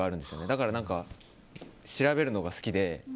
だから調べるのが好きで。